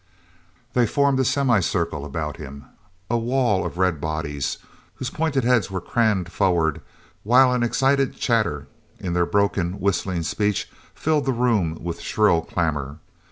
They formed a semicircle about him—a wall of red bodies, whose pointed heads were craned forward, while an excited chatter in their broken, whistling speech filled the room with shrill clamor.